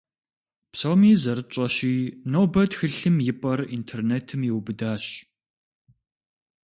Псоми зэрытщӀэщи, нобэ тхылъым и пӀэр интернетым иубыдащ.